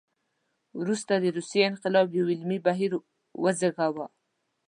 وروسته د روسیې انقلاب یو عملي بهیر وزېږاوه.